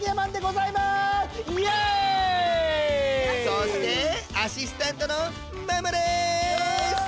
そしてアシスタントのママです！